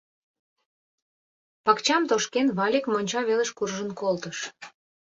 Пакчам тошкен, Валик монча велыш куржын колтыш.